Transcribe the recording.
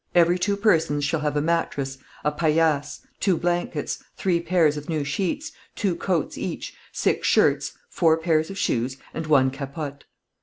Every two persons shall have a mattress, a paillasse, two blankets, three pairs of new sheets, two coats each, six shirts, four pairs of shoes, and one capote.